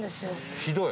ひどい。